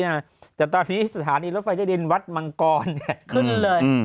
แต่ตอนนี้สถานีรถไฟเจนวัดมังกรเนี่ย